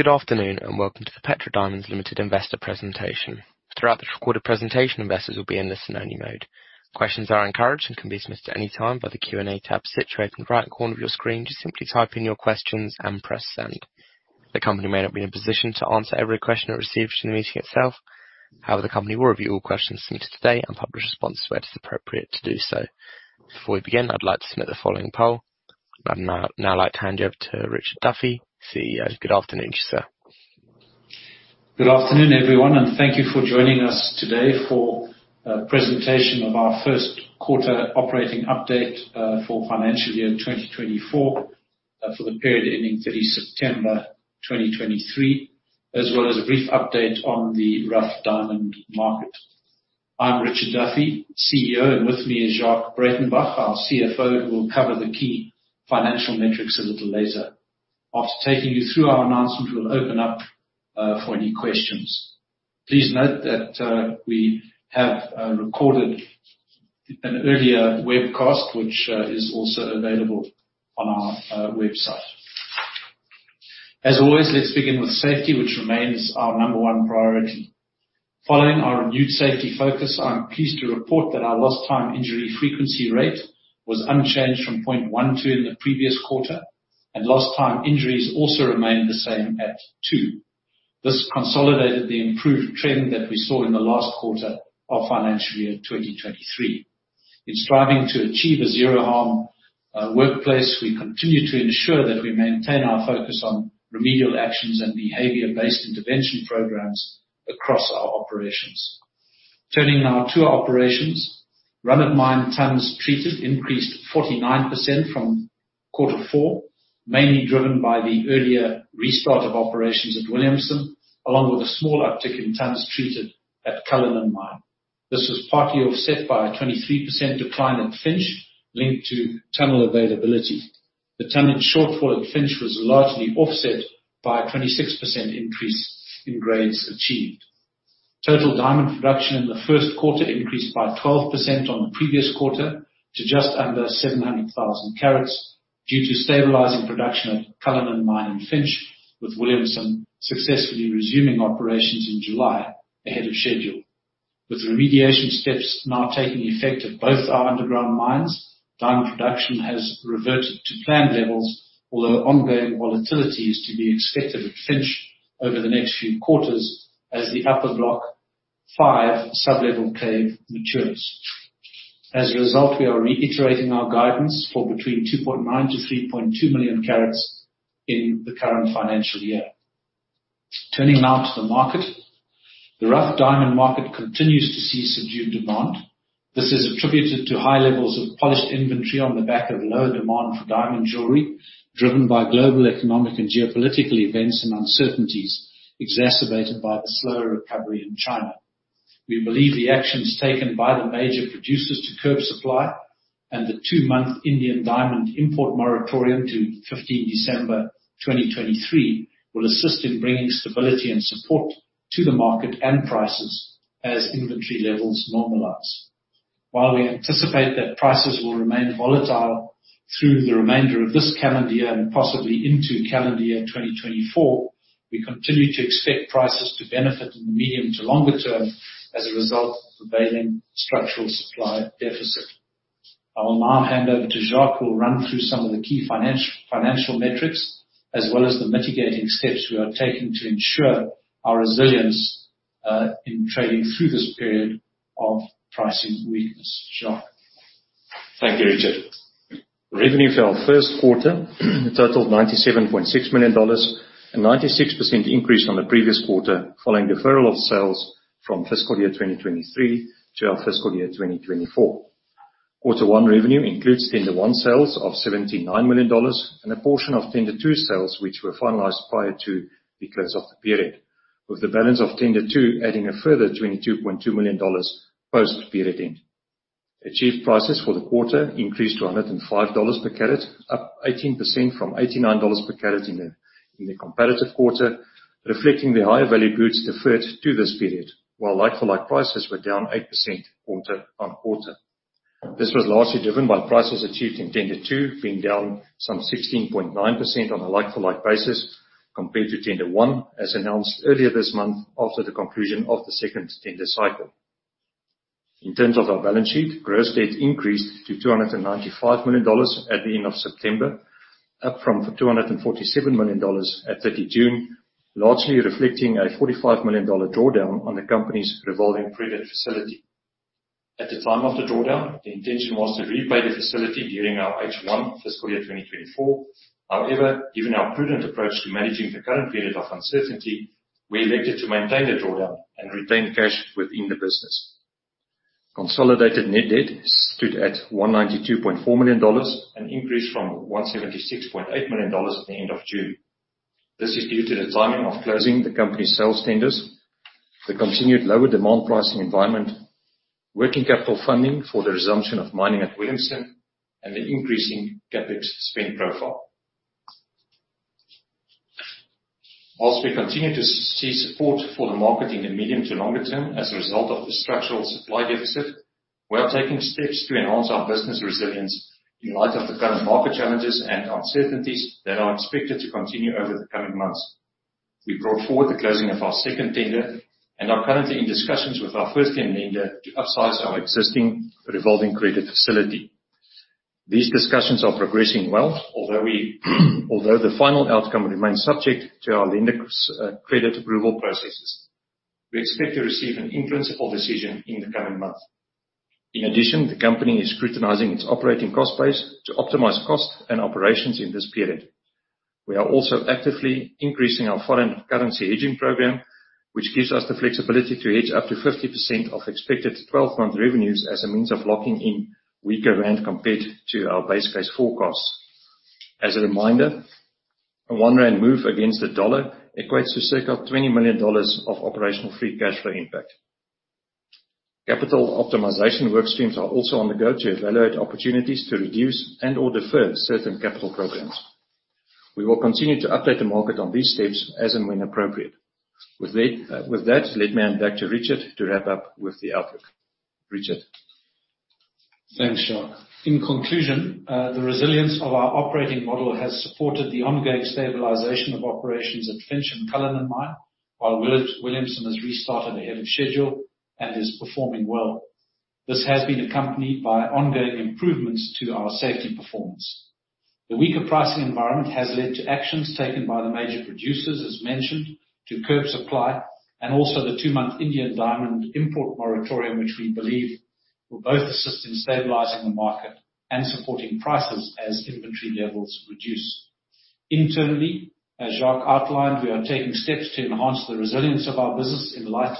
Good afternoon, and welcome to the Petra Diamonds Limited Investor Presentation. Throughout this recorded presentation, investors will be in listen-only mode. Questions are encouraged and can be submitted at any time by the Q&A tab situated in the right corner of your screen. Just simply type in your questions and press send. The company may not be in a position to answer every question it receives during the meeting itself. However, the company will review all questions sent today and publish responses where it is appropriate to do so. Before we begin, I'd like to submit the following poll. I'd now like to hand you over to Richard Duffy, CEO. Good afternoon, sir. Good afternoon, everyone, and thank you for joining us today for a presentation of our first quarter operating update for financial year 2024 for the period ending 30 September 2023, as well as a brief update on the rough diamond market. I'm Richard Duffy, CEO, and with me is Jacques Breytenbach, our CFO, who will cover the key financial metrics a little later. After taking you through our announcement, we'll open up for any questions. Please note that we have recorded an earlier webcast, which is also available on our website. As always, let's begin with safety, which remains our number one priority. Following our renewed safety focus, I'm pleased to report that our lost time injury frequency rate was unchanged from 0.12 in the previous quarter, and lost time injuries also remained the same at 2. This consolidated the improved trend that we saw in the last quarter of financial year 2023. In striving to achieve a zero-harm workplace, we continue to ensure that we maintain our focus on remedial actions and behavior-based intervention programs across our operations. Turning now to operations, run-of-mine tonnes treated increased 49% from quarter four, mainly driven by the earlier restart of operations at Williamson, along with a small uptick in tonnes treated at Cullinan Mine. This was partly offset by a 23% decline at Finsch, linked to tunnel availability. The tonnage shortfall at Finsch was largely offset by a 26% increase in grades achieved. Total diamond production in the first quarter increased by 12% on the previous quarter to just under 700,000 carats, due to stabilizing production at Cullinan Mine and Finsch, with Williamson successfully resuming operations in July ahead of schedule. With remediation steps now taking effect at both our underground mines, diamond production has reverted to planned levels, although ongoing volatility is to be expected at Finsch over the next few quarters as the upper Block 5 sublevel cave matures. As a result, we are reiterating our guidance for between 2.9-3.2 million carats in the current financial year. Turning now to the market. The rough diamond market continues to see subdued demand. This is attributed to high levels of polished inventory on the back of low demand for diamond jewelry, driven by global economic and geopolitical events and uncertainties exacerbated by the slower recovery in China. We believe the actions taken by the major producers to curb supply and the two-month Indian diamond import moratorium to 15 December 2023, will assist in bringing stability and support to the market and prices as inventory levels normalize. While we anticipate that prices will remain volatile through the remainder of this calendar year and possibly into calendar year 2024, we continue to expect prices to benefit in the medium to longer term as a result of the prevailing structural supply deficit. I will now hand over to Jacques, who will run through some of the key financial metrics, as well as the mitigating steps we are taking to ensure our resilience, in trading through this period of pricing weakness. Jacques. Thank you, Richard. Revenue for our first quarter totaled $97.6 million, a 96% increase from the previous quarter, following deferral of sales from fiscal year 2023 to our fiscal year 2024. Quarter 1 revenue includes Tender 1 sales of $79 million, and a portion of Tender 2 sales, which were finalized prior to the close of the period, with the balance of Tender 2 adding a further $22.2 million post-period end. Achieved prices for the quarter increased to $105 per carat, up 18% from $89 per carat in the comparative quarter, reflecting the higher value goods deferred to this period, while like-for-like prices were down 8% quarter-on-quarter. This was largely driven by prices achieved in Tender 2, being down some 16.9% on a like-for-like basis compared to Tender 1, as announced earlier this month after the conclusion of the second tender cycle. In terms of our balance sheet, gross debt increased to $295 million at the end of September, up from $247 million at 30 June, largely reflecting a $45 million drawdown on the company's revolving credit facility. At the time of the drawdown, the intention was to repay the facility during our H1 fiscal year 2024. However, given our prudent approach to managing the current period of uncertainty, we elected to maintain the drawdown and retain cash within the business. Consolidated net debt stood at $192.4 million, an increase from $176.8 million at the end of June. This is due to the timing of closing the company's sales tenders, the continued lower demand pricing environment, working capital funding for the resumption of mining at Williamson, and the increasing CapEx spend profile. While we continue to see support for the market in the medium to longer term as a result of the structural supply deficit... We are taking steps to enhance our business resilience in light of the current market challenges and uncertainties that are expected to continue over the coming months. We brought forward the closing of our second tender, and are currently in discussions with our first-tier lender to upsize our existing revolving credit facility. These discussions are progressing well, although the final outcome remains subject to our lender's credit approval processes. We expect to receive an in-principle decision in the coming months. In addition, the company is scrutinizing its operating cost base to optimize costs and operations in this period. We are also actively increasing our foreign currency hedging program, which gives us the flexibility to hedge up to 50% of expected twelve-month revenues as a means of locking in weaker rand compared to our base case forecast. As a reminder, a one rand move against the dollar equates to circa $20 million of operational free cash flow impact. Capital optimization work streams are also on the go to evaluate opportunities to reduce and/or defer certain capital programs. We will continue to update the market on these steps as and when appropriate. With that, with that, let me hand back to Richard to wrap up with the outlook. Richard? Thanks, Jacques. In conclusion, the resilience of our operating model has supported the ongoing stabilization of operations at Finsch Mine and Cullinan Mine, while Williamson Mine has restarted ahead of schedule and is performing well. This has been accompanied by ongoing improvements to our safety performance. The weaker pricing environment has led to actions taken by the major producers, as mentioned, to curb supply, and also the two-month Indian diamond import moratorium, which we believe will both assist in stabilizing the market and supporting prices as inventory levels reduce. Internally, as Jacques outlined, we are taking steps to enhance the resilience of our business in light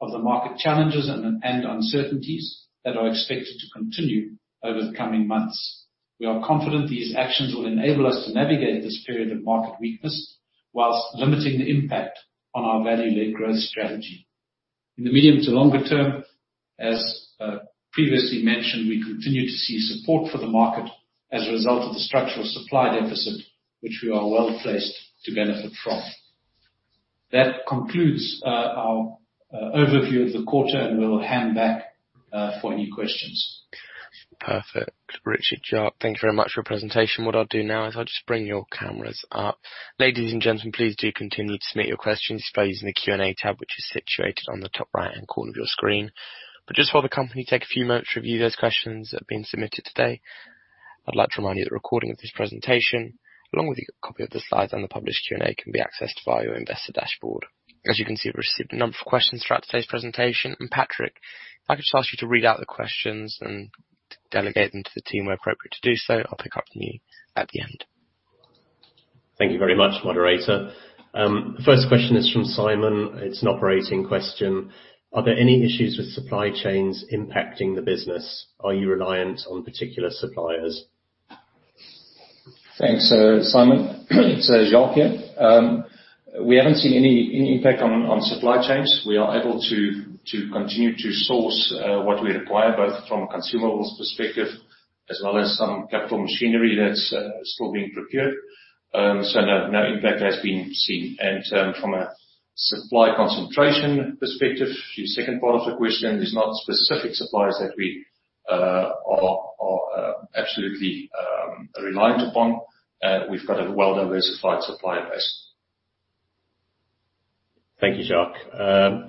of the market challenges and uncertainties that are expected to continue over the coming months. We are confident these actions will enable us to navigate this period of market weakness, whilst limiting the impact on our value-led growth strategy. In the medium to longer term, as previously mentioned, we continue to see support for the market as a result of the structural supply deficit, which we are well-placed to benefit from. That concludes our overview of the quarter, and we will hand back for any questions. Perfect. Richard, Jacques, thank you very much for your presentation. What I'll do now is I'll just bring your cameras up. Ladies and gentlemen, please do continue to submit your questions just by using the Q&A tab, which is situated on the top right-hand corner of your screen. But just while the company take a few moments to review those questions that have been submitted today, I'd like to remind you that a recording of this presentation, along with a copy of the slides and the published Q&A, can be accessed via your investor dashboard. As you can see, we've received a number of questions throughout today's presentation, and Patrick, if I could just ask you to read out the questions and delegate them to the team where appropriate to do so. I'll pick up from you at the end. Thank you very much, moderator. The first question is from Simon. It's an operating question: Are there any issues with supply chains impacting the business? Are you reliant on particular suppliers? Thanks, Simon. It's Jacques here. We haven't seen any impact on supply chains. We are able to continue to source what we require, both from a consumables perspective, as well as some capital machinery that's still being procured. So no impact has been seen. And from a supply concentration perspective, the second part of the question, there's not specific suppliers that we are absolutely reliant upon. We've got a well-diversified supplier base. Thank you, Jacques.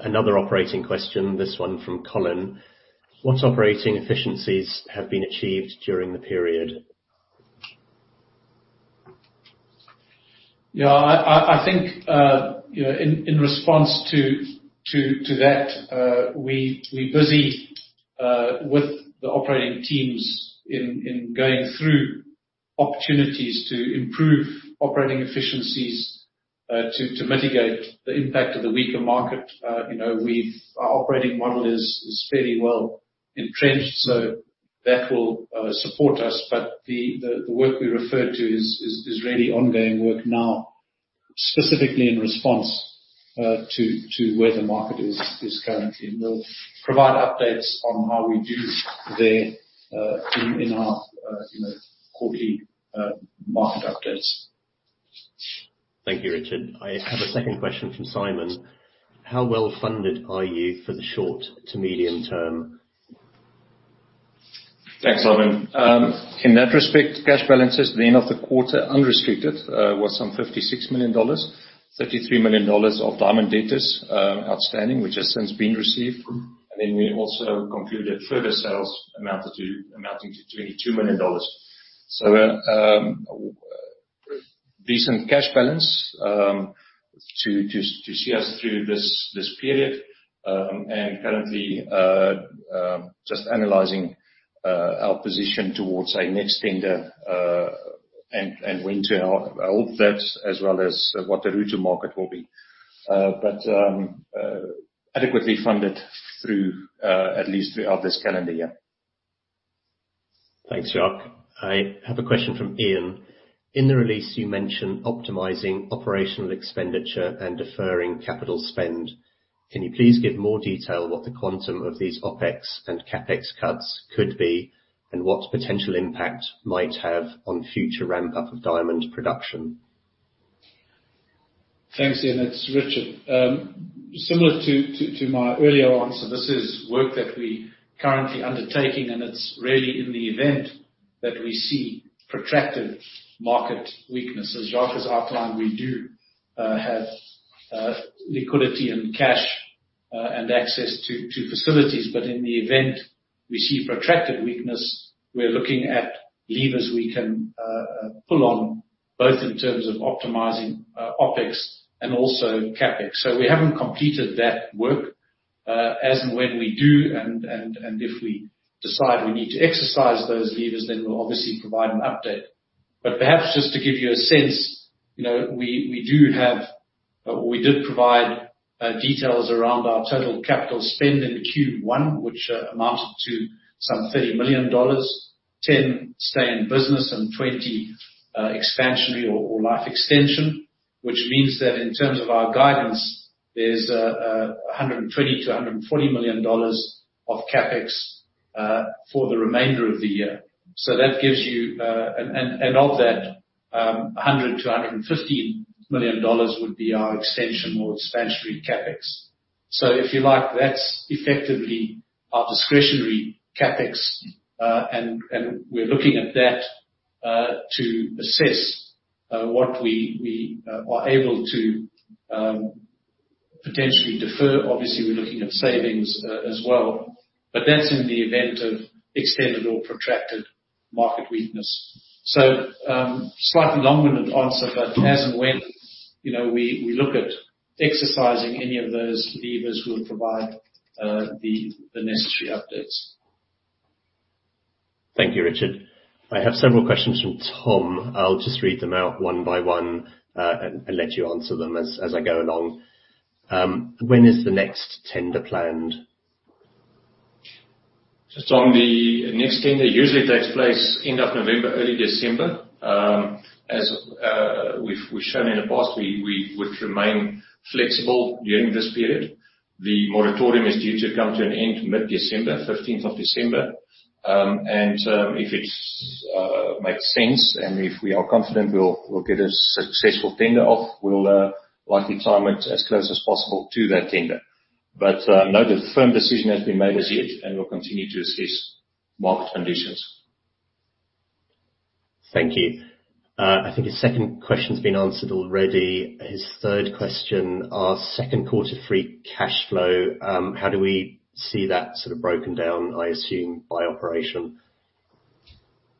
Another operating question, this one from Colin: What operating efficiencies have been achieved during the period? Yeah, I think, you know, in response to that, we're busy with the operating teams in going through opportunities to improve operating efficiencies, to mitigate the impact of the weaker market. You know, we've. Our operating model is fairly well entrenched, so that will support us. But the work we referred to is really ongoing work now, specifically in response to where the market is currently. And we'll provide updates on how we do there, in our, you know, quarterly market updates. Thank you, Richard. I have a second question from Simon: How well-funded are you for the short to medium term? Thanks, Simon. In that respect, cash balances at the end of the quarter, unrestricted, was some $56 million. $33 million of diamond debtors, outstanding, which has since been received. And then we also concluded further sales amounting to $22 million. So, decent cash balance to see us through this period, and currently just analyzing our position towards a next tender and when to hold that, as well as what the route to market will be. But adequately funded through at least throughout this calendar year. Thanks, Jacques. I have a question from Ian. In the release, you mentioned optimizing operational expenditure and deferring capital spend. Can you please give more detail what the quantum of these OpEx and CapEx cuts could be, and what potential impact might have on future ramp-up of diamond production?... Thanks, Ian. It's Richard. Similar to my earlier answer, this is work that we currently undertaking, and it's really in the event that we see protracted market weaknesses. Jacques has outlined, we do have liquidity and cash and access to facilities. But in the event we see protracted weakness, we're looking at levers we can pull on, both in terms of optimizing OpEx and also CapEx. So we haven't completed that work. As and when we do and if we decide we need to exercise those levers, then we'll obviously provide an update. But perhaps just to give you a sense, you know, we do have, or we did provide, details around our total capital spend in Q1, which amounted to some $30 million, $10 stay in business and $20 expansion or life extension. Which means that in terms of our guidance, there's a $120 million-$140 million of CapEx for the remainder of the year. So that gives you... And of that, a $100 million-$150 million would be our extension or expansion CapEx. So if you like, that's effectively our discretionary CapEx, and we're looking at that to assess what we are able to potentially defer. Obviously, we're looking at savings, as well, but that's in the event of extended or protracted market weakness. So, slightly longer than answer, but as and when, you know, we look at exercising any of those levers, we'll provide, the necessary updates. Thank you, Richard. I have several questions from Tom. I'll just read them out one by one, and let you answer them as I go along. When is the next tender planned? Tom, the next tender usually takes place end of November, early December. As we've shown in the past, we would remain flexible during this period. The moratorium is due to come to an end mid-December, 15th of December. If it makes sense and if we are confident we'll get a successful tender off, we'll likely time it as close as possible to that tender. No firm decision has been made as yet, and we'll continue to assess market conditions. Thank you. I think his second question's been answered already. His third question, our second quarter free cash flow, how do we see that sort of broken down, I assume, by operation?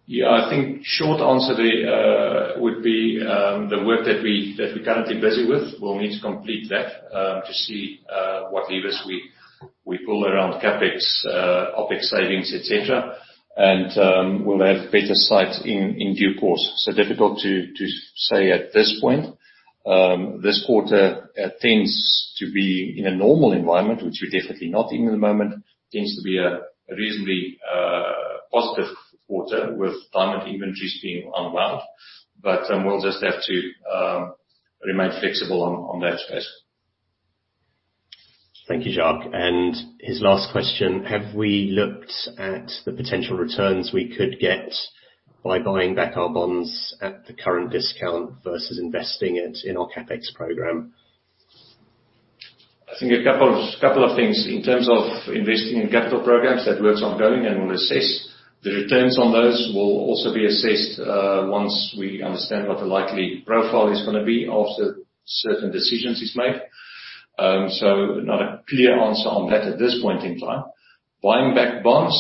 Yeah, I think short answer there would be the work that we're currently busy with. We'll need to complete that to see what levers we pull around CapEx, OpEx savings, et cetera. We'll have better sight in due course. So difficult to say at this point. This quarter tends to be in a normal environment, which we're definitely not in at the moment. Tends to be a reasonably positive quarter with diamond inventories being unwound. But we'll just have to remain flexible on that space. Thank you, Jacques. His last question: Have we looked at the potential returns we could get by buying back our bonds at the current discount versus investing it in our CapEx program? I think a couple of things. In terms of investing in capital programs, that work's ongoing and we'll assess. The returns on those will also be assessed once we understand what the likely profile is gonna be after certain decisions is made. So not a clear answer on that at this point in time. Buying back bonds,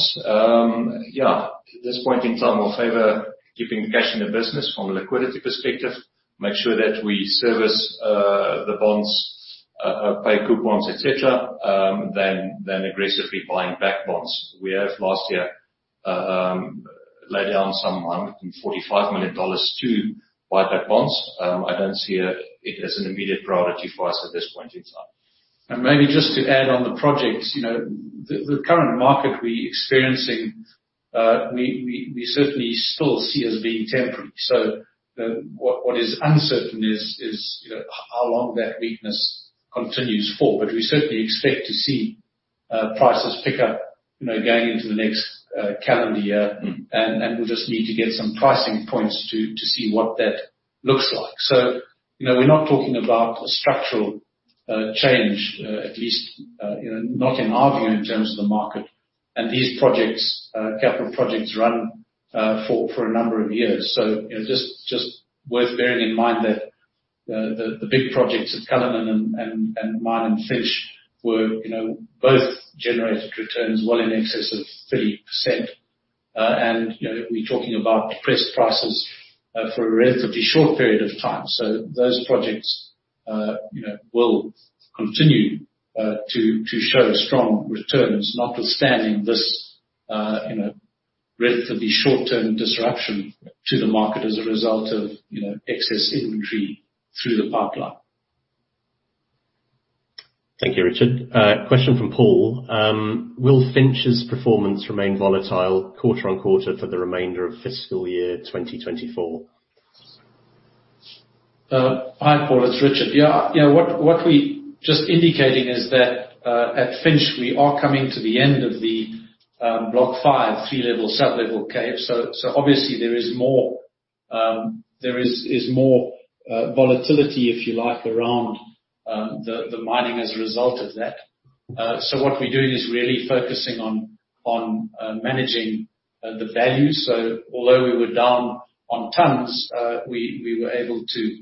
yeah, at this point in time, we'll favor keeping cash in the business from a liquidity perspective, make sure that we service the bonds, pay coupons, et cetera, than aggressively buying back bonds. We have last year laid down some $145 million to buy back bonds. I don't see it as an immediate priority for us at this point in time. Maybe just to add on the projects, you know, the current market we're experiencing, we certainly still see as being temporary. So what is uncertain is, you know, how long that weakness continues for. But we certainly expect to see prices pick up, you know, going into the next calendar year. Mm. And we'll just need to get some pricing points to see what that looks like. So, you know, we're not talking about a structural change, at least, you know, not in our view in terms of the market. And these projects, capital projects run, for a number of years. So, you know, just worth bearing in mind that the big projects at Cullinan and Finsch Mine were, you know, both generated returns well in excess of 30%. And, you know, we're talking about depressed prices for a relatively short period of time. So those projects, you know, will continue to show strong returns notwithstanding this, you know, relatively short-term disruption to the market as a result of, you know, excess inventory through the pipeline. Thank you, Richard. Question from Paul. Will Finsch's performance remain volatile quarter-on-quarter for the remainder of fiscal year 2024? Hi, Paul, it's Richard. Yeah, you know, what we just indicating is that at Finsch, we are coming to the end of the Block 5 three-level sub-level cave. So obviously there is more volatility, if you like, around the mining as a result of that. So what we're doing is really focusing on managing the value. So although we were down on tons, we were able to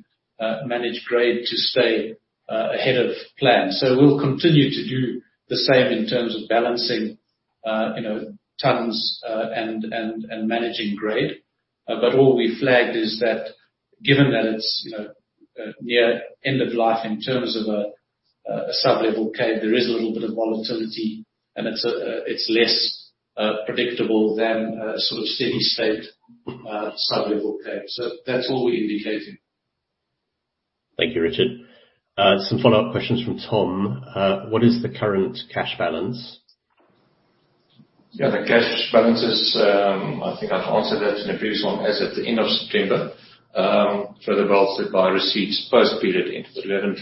manage grade to stay ahead of plan. So we'll continue to do the same in terms of balancing, you know, tons and managing grade. But all we flagged is that given that it's, you know, near end of life in terms of a sub-level cave, there is a little bit of volatility, and it's less predictable than a sort of steady-state sub-level cave. So that's all we're indicating. Thank you, Richard. Some follow-up questions from Tom. What is the current cash balance? Yeah, the cash balance is. I think I've answered that in a previous one. As at the end of September, further bolstered by receipts post-period end. But we haven't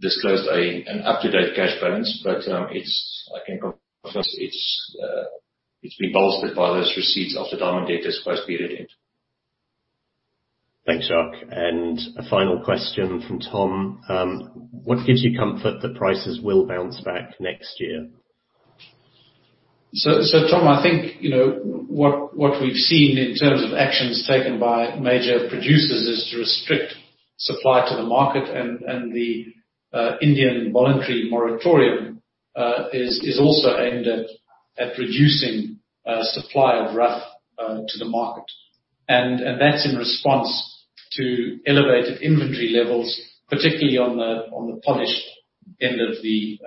disclosed an up-to-date cash balance, but, it's, I can confirm, it's, it's been bolstered by those receipts of the diamond debtors as post-period end. Thanks, Jacques. A final question from Tom: What gives you comfort that prices will bounce back next year? So, Tom, I think, you know, what we've seen in terms of actions taken by major producers is to restrict supply to the market, and the India's voluntary moratorium is also aimed at reducing supply of rough to the market. And that's in response to elevated inventory levels, particularly on the polished end of the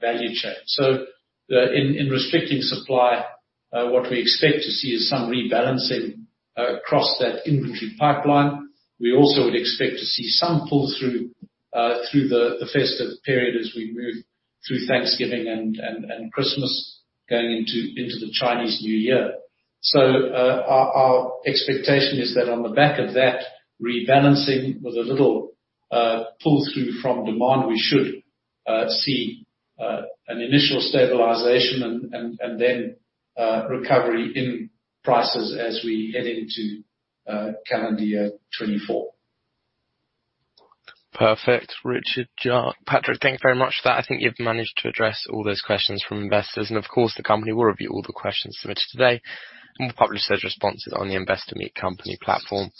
value chain. So, in restricting supply, what we expect to see is some rebalancing across that inventory pipeline. We also would expect to see some pull-through through the festive period as we move through Thanksgiving and Christmas going into the Chinese New Year. Our expectation is that on the back of that rebalancing, with a little pull-through from demand, we should see an initial stabilization and then recovery in prices as we head into calendar year 2024. Perfect. Richard, Jacques, Patrick, thank you very much for that. I think you've managed to address all those questions from investors. Of course, the company will review all the questions submitted today and will publish those responses on the Investor Meet Company platform.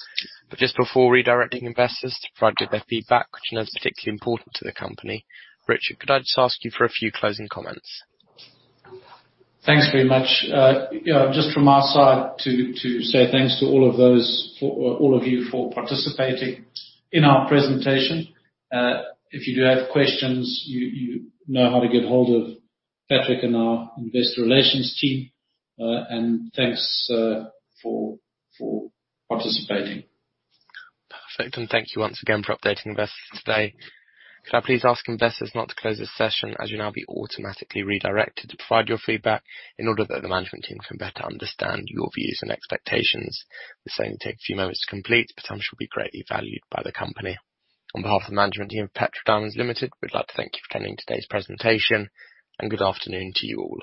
Just before redirecting investors to provide their feedback, which is particularly important to the company, Richard, could I just ask you for a few closing comments? Thanks very much. Yeah, just from our side, to say thanks to all of those for all of you for participating in our presentation. If you do have questions, you know how to get hold of Patrick and our investor relations team. And thanks for participating. Perfect. Thank you once again for updating investors today. Could I please ask investors not to close this session, as you'll now be automatically redirected to provide your feedback, in order that the management team can better understand your views and expectations. This only take a few moments to complete, but shall be greatly valued by the company. On behalf of the management team of Petra Diamonds Limited, we'd like to thank you for attending today's presentation, and good afternoon to you all.